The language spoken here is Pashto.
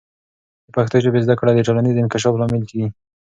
د پښتو ژبې زده کړه د ټولنیز انکشاف لامل کیږي.